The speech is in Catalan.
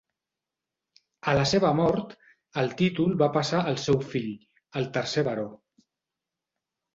A la seva mort, el títol va passar al seu fill, el tercer Baró.